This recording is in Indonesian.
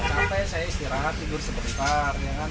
sampai saya istirahat tidur sebentar ya kan